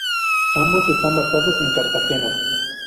Ambos están basados en Cartagena.